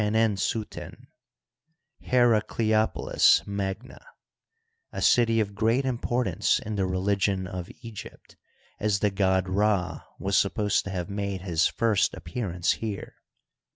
Chenensuten i^Heracleopolts magna), a city of g^eat im portance in the religion of Egypt, as the god Rd was supposed to have made his first appearance here.